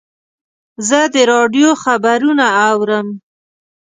زه د راډیو خبرونه اورم.